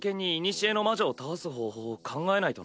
古の魔女を倒す方法を考えないとな。